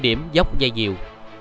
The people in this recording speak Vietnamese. điểm dốc dây nhỏ